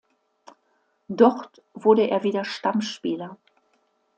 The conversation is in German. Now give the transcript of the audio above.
Dort wurde er wieder Stammspieler.